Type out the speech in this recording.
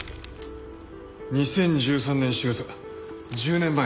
２０１３年４月１０年前だな。